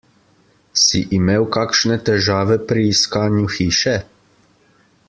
Si imel kakšne težave pri iskanju hiše?